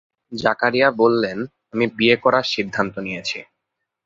জাকারিয়া বললেন, আমি বিয়ে করার সিদ্ধান্ত নিয়েছি।